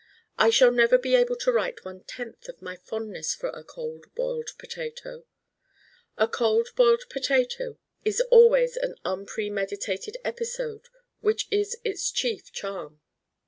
I shall never be able to write one tenth of my fondness for a Cold Boiled Potato. A Cold Boiled Potato is always an unpremeditated episode which is its chief charm.